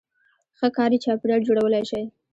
-ښه کاري چاپېریال جوړولای شئ